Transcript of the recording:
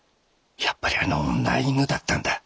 やっぱりあの女密偵だったんだ。